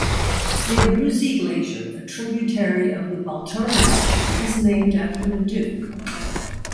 The Abruzzi Glacier, a tributary of the Baltoro Glacier, is named after the Duke.